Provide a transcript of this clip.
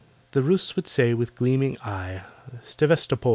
The Russ would say with gleaming eye "Sevastopol!"